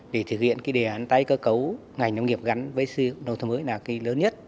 để thực hiện đề án tái cơ cấu ngành nông nghiệp gắn với sưu nông thông mới là cơ hội lớn nhất